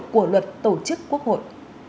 của luật tổ chức quốc hội